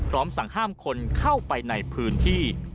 สั่งห้ามคนเข้าไปในพื้นที่